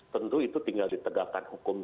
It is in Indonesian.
tentu itu tinggal ditegakkan hukum